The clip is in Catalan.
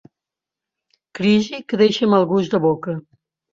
Crisi que deixa mal gust de boca.